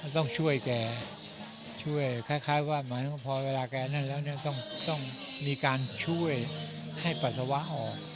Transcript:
ต้องช่วยแกช่วยคล้ายว่าหมายถึงว่าพอเวลาแกนั่นแล้วเนี่ยต้องมีการช่วยให้ปัสสาวะออก